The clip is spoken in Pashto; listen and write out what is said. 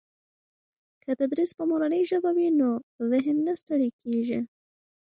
که تدریس په مورنۍ ژبه وي نو ذهن نه ستړي کېږي.